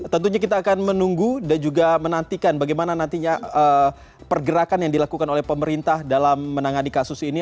tentunya kita akan menunggu dan juga menantikan bagaimana nantinya pergerakan yang dilakukan oleh pemerintah dalam menangani kasus ini